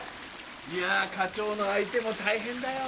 いや課長の相手も大変だよ。